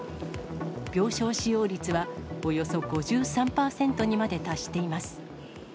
病床使用率はおよそ５３％にまで達しています。